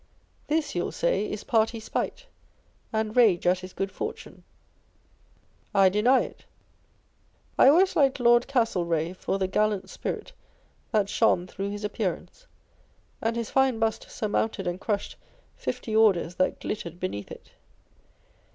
This, you'll say, is party spite, and rage at his good fortune. I deny it. I always liked Lord Castlereagh for the gallant spirit that shone through his appearance ; and his fine bust surmounted and crushed fifty orders that glittered beneath it.